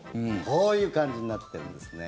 こういう感じになってるんですね。